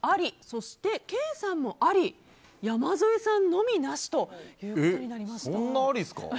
そしてケイさんもあり山添さんのみなしということになりました。